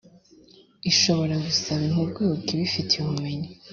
ishobora gusaba impuguke ibifitiye ubumenyi